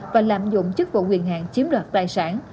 và lạm dụng chức vụ quyền hạn chiếm đoạt tài sản